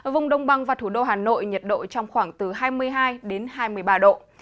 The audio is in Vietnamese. vùng đông băng và thủ đô hà nội nhiệt độ trong khoảng từ hai mươi hai đến hai mươi ba độ